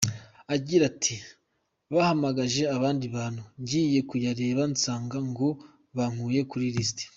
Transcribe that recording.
Agira ati “Bahamagaje abandi bantu, ngiye kuyareba nsanga ngo bankuye kuri lisiti.